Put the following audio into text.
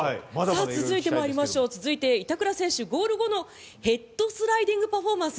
続いて、板倉選手ゴール後のヘッドスライディングパフォーマンス。